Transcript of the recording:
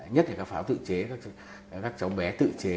nhất là các pháo tự chế các cháu bé tự chế